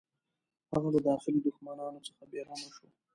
هغه له داخلي دښمنانو څخه بېغمه شو.